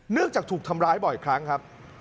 จากถูกทำร้ายบ่อยครั้งครับ